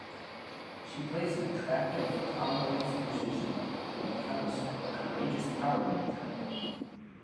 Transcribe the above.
She plays an attractive, tomboyish musician who becomes a courageous Power Ranger.